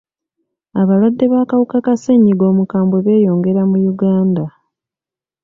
Abalwadde b'akawuka ka ssenyiga omukambwe beeyongera mu Uganda.